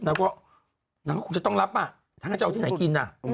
นางก็คงจะต้องรับทางนั้นจะเอาที่ไหนกิน